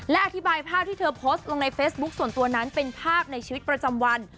และอธิบายภาพที่เธอโพสต์ลงในเฟซบุ๊คส่วนตัวนั้นเป็นภาพในชีวิตประจำวัน